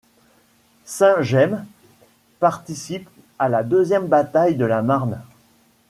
Saint-Gemme participe à la deuxième bataille de la Marne.